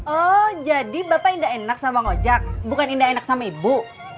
oh jadi bapak indah enak sama ngojak bukan indah enak sama ibu